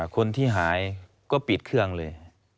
คนที่หายก็ปิดเครื่องเลย